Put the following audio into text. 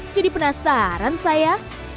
jadi penasaran saya